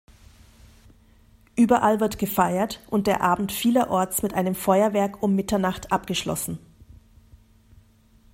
Überall wird gefeiert und der Abend vielerorts mit einem Feuerwerk um Mitternacht abgeschlossen.